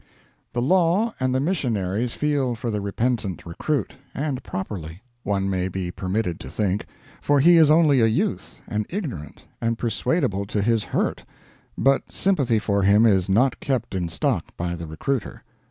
The law and the missionaries feel for the repentant recruit and properly, one may be permitted to think, for he is only a youth and ignorant and persuadable to his hurt but sympathy for him is not kept in stock by the recruiter.